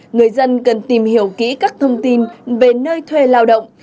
người dân cần tìm hiểu kỹ các thông tin về nơi thuê lao động